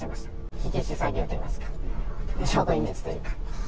火消し作業といいますか、証拠隠滅というか。